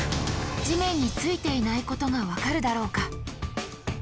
地面に着いていないことが分かるだろうか？